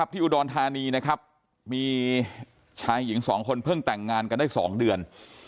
ที่อุดรธานีนะครับมีชายหญิง๒คนเพิ่งแต่งงานกันได้๒เดือน